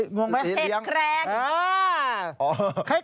งงไหมเห็ดแคลงอ๋อเห็ดแคลง